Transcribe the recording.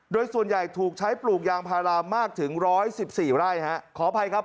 โดยส่วนใหญ่ถูกใช้ปลูกยางพารามากถึงร้อยสิบสี่ไร่ฮะขออภัยครับ